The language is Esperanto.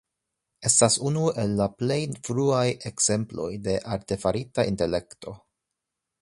Estas unu el la plej fruaj ekzemploj de Artefarita intelekto.